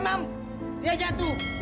ada bangunan itu room satu